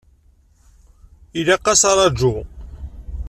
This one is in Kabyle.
Ilaq-as uraǧu.